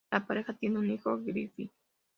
La pareja tiene un hijo, Griffin.